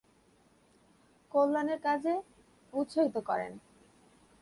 কল্যাণের কাজে উৎসাহিত করেন।